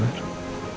maaf sih bu andin